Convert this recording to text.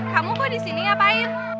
kamu kok disini ngapain